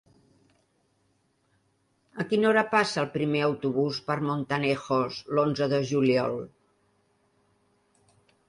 A quina hora passa el primer autobús per Montanejos l'onze de juliol?